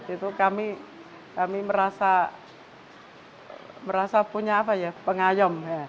itu kami merasa punya apa ya pengayom